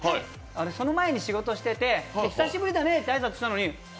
その前に仕事してて久しぶりだねって挨拶したのには？